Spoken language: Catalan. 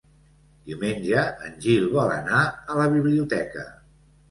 Diumenge en Gil vol anar a la biblioteca.